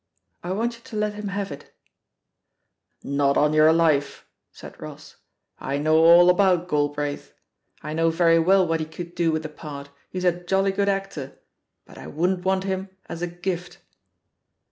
I want you to let him have it/^ "Not on your lifeT* said Ross. "I know all about Galbraith. I know very well what he could do with the part — ^he*s a jolly good actor; but I wouldn't have him as a gift."